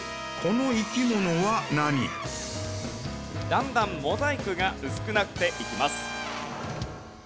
だんだんモザイクが薄くなっていきます。